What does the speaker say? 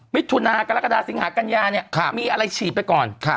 มิถุนากรกฎาสิงหากัญญาเนี่ยมีอะไรฉีดไปก่อน